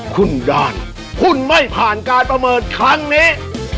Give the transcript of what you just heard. คุณดานคุณไม่ผ่านการประเมินครั้งนี้